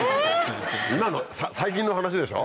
今の最近の話でしょ？